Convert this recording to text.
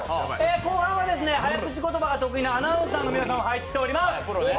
後半はですね、早口言葉が得意なアナウンサーの皆さんを配置しております。